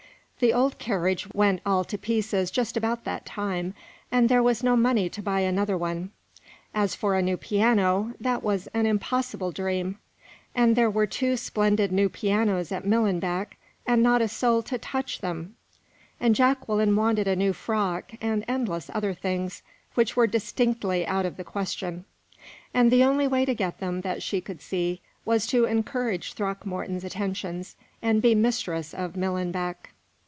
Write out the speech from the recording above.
The old carriage went all to pieces just about that time, and there was no money to buy another one. As for a new piano, that was an impossible dream; and there were two splendid new pianos at Millenbeck, and not a soul to touch them! And Jacqueline wanted a new frock, and endless other things, which were distinctly out of the question, and the only way to get them, that she could see, was to encourage Throckmorton's attentions and be mistress of Millenbeck.